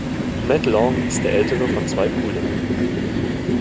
Matt Long ist der ältere von zwei Brüdern.